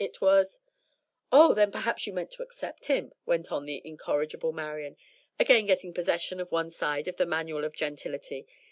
It was " "Oh, then perhaps you meant to accept him," went on the incorrigible Marian, again getting possession of one side of the "Manual of Gentility."